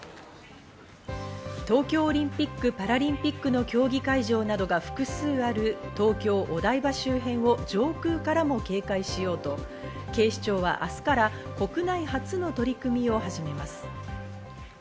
東京オリンピック・パラリンピックの競技会場などが複数ある東京・お台場周辺を上空からも警戒しようと警視庁は明日から国内初の取り組みを始めます。